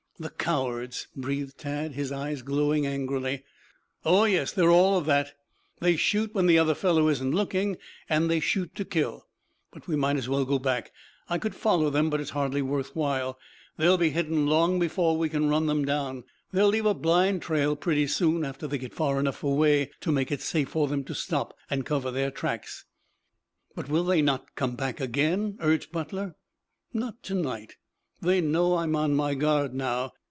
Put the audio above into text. "The cowards!" breathed Tad, his eyes glowing angrily. "Oh, yes, they're all of that. They shoot when the other fellow isn't looking, and they shoot to kill. But we might as well go back. I could follow them, but it hardly is worth while. They will be hidden long before we can run them down. They'll leave a blind trail pretty soon after they get far enough away to make it safe for them to stop and cover their tracks." "But, will they not come back again?" urged Butler. "Not to night. They know I am on my guard now.